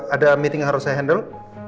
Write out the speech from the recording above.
ada meeting yang harus saya handle